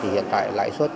hiện tại lãi suất